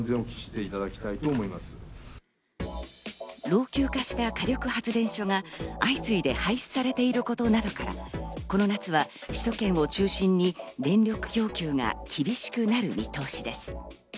老朽化した火力発電所が相次いで廃止されていることなどから、この夏は首都圏を中心に電力供給が厳しくなる見通しです。